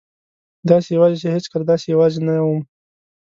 داسې یوازې چې هېڅکله داسې یوازې نه وم.